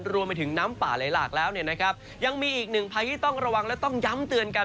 รวมไปถึงน้ำป่าไหลหลากแล้วเนี่ยนะครับยังมีอีกหนึ่งภัยที่ต้องระวังและต้องย้ำเตือนกัน